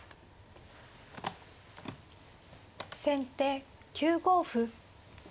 先手９五歩。